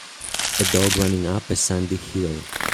A dog running up a sandy hill